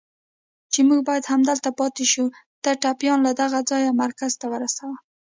چې موږ باید همدلته پاتې شو، ته ټپيان له دغه ځایه مرکز ته ورسوه.